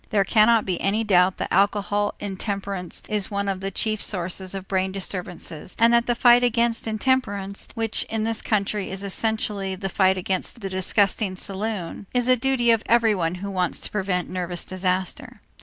There cannot be any doubt that alcoholic intemperance is one of the chief sources of brain disturbances and that the fight against intemperance, which in this country is essentially the fight against the disgusting saloon, is a duty of everyone who wants to prevent nervous disaster.